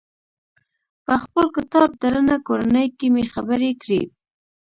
په خپل کتاب درنه کورنۍ کې مې خبرې کړي.